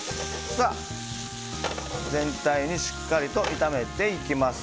全体にしっかりと炒めていきます。